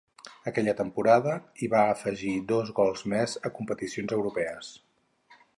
Aquella temporada hi va afegir dos gols més a competicions europees.